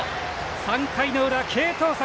３回の裏、継投策